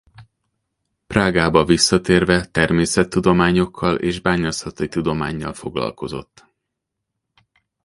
Prágába visszatérve természettudományokkal és bányászati tudománnyal foglalkozott.